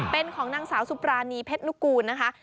เป็นของนางสาวสุปรานีเพชรนุกูลนะคะ